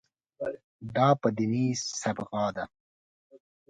دا په دیني صبغه ده.